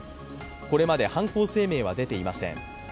これまで犯行声明は出ていません。